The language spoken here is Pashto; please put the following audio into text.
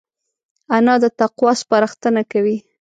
انا د تقوی سپارښتنه کوي